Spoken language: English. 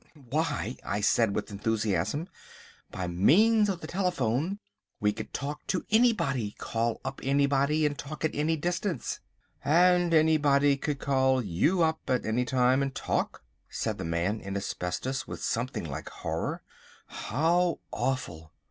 "Why," I said with enthusiasm, "by means of the telephone we could talk to anybody, call up anybody, and talk at any distance." "And anybody could call you up at any time and talk?" said the Man in Asbestos, with something like horror. "How awful!